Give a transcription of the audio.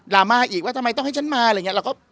ราม่าอีกว่าทำไมต้องให้ฉันมาอะไรอย่างนี้